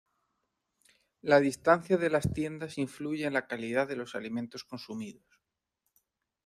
La distancia de las tiendas influye en la calidad de los alimentos consumidos.